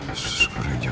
masuk ke dalam